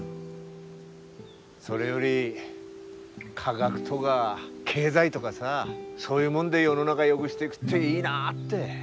それより科学とか経済とかさそういうもんで世の中よぐしていぐっていいなって。